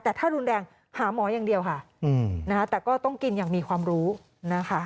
แต่ถ้ารุนแรงหาหมออย่างเดียวค่ะนะคะแต่ก็ต้องกินอย่างมีความรู้นะคะ